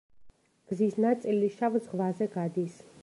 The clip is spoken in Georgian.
გზის ნაწილი შავ ზღვაზე გადის.